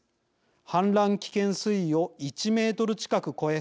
氾濫危険水位を１メートル近く超え